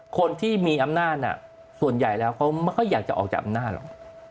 คนที่มีอำนาจส่วนใหญ่แล้วเขาไม่ค่อยอยากจะออกจากอำนาจหรอก